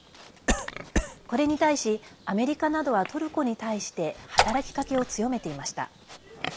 これに対し、アメリカなどはトルコに対して働きかけを強めていました。